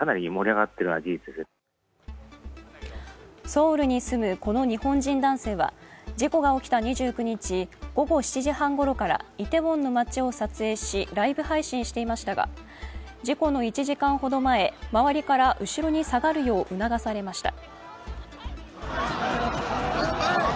ソウルに住むこの日本人男性は、事故が起きた２９日、午後７時半ごろからイテウォンの街を撮影し、ライブ配信していましたが事故の１時間ほど前、周りから後ろに下がるよう促されました。